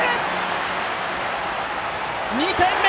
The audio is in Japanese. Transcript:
２点目！